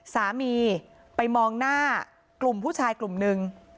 สามีไปมองหน้ากลุ่มผู้ชายกลุ่มนึง